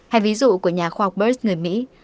hay ví dụ của nhà khoa học bus người mỹ